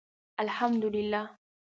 الحمدالله